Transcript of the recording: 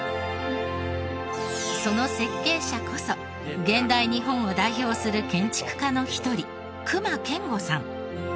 その設計者こそ現代日本を代表する建築家の一人隈研吾さん。